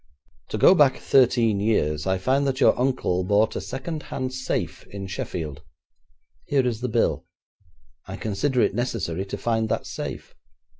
'To go back thirteen years I find that your uncle bought a second hand safe in Sheffield. Here is the bill. I consider it necessary to find that safe.'